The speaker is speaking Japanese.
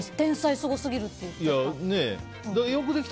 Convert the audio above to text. すごすぎる！って言った。